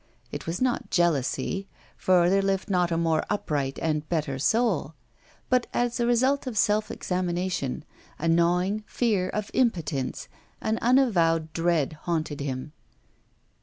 It was not jealousy, for there lived not a more upright and better soul; but as a result of self examination, a gnawing fear of impotence, an unavowed dread haunted him.